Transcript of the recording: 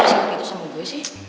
kok jadi pada sikap gitu sama gue sih